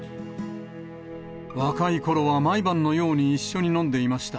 若いころは毎晩のように一緒に飲んでいました。